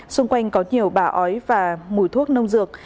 xung quanh có nhiều bà ói và mùi thuốc nông dược